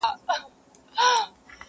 په رباب کي بم او زیر را سره خاندي.